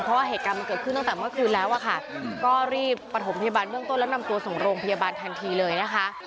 เพราะว่าเหตุการณ์มันเกิดขึ้นตั้งแต่เมื่อคืนแล้วอะค่ะก็รีบประถมพยาบาลเบื้องต้นแล้วนำตัวส่งโรงพยาบาลทันทีเลยนะคะ